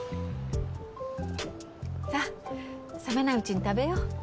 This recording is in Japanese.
さあ冷めないうちに食べよ。